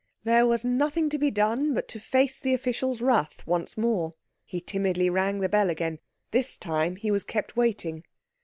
There was nothing to be done but to face the official's wrath once more. He timidly rang the bell again. This time he was kept waiting.